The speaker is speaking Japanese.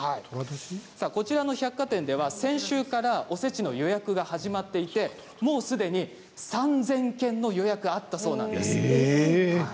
こちらの百貨店では先週からおせちの予約が始まっていてもうすでに３０００件の予約があったそうです。